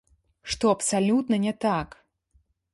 Што абсалютна не так!